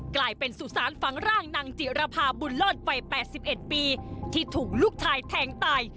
กลายเป็นสุสานฝังร่างนางจิรภาบุญเลิศวัย๘๑ปีที่ถูกลูกชายแทงตาย